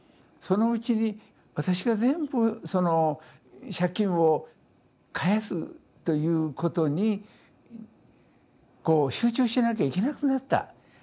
そのうちに私が全部その借金を返すということにこう集中しなきゃいけなくなった。